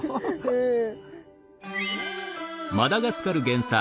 うん。